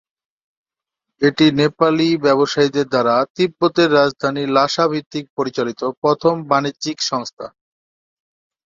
এটি নেপালি ব্যবসায়ীদের দ্বারা তিব্বতের রাজধানী লাসা ভিত্তিক পরিচালিত প্রথম বাণিজ্যিক সংস্থা।